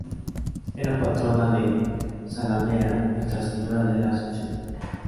Era patrona de Zalamea Nuestra Señora de la Asunción.